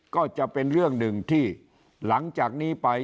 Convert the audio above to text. ก็จะเป็นเรื่องหนึ่งที่หลังจากนี้ไป